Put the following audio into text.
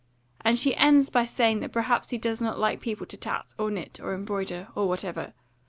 And she ends by saying that perhaps he does not like people to tat, or knit, or embroider, or whatever.